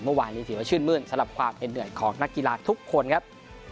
เมื่อวานนี้ถือว่าชื่นมื้นสำหรับความเห็นเหนื่อยของนักกีฬาทุกคนครับ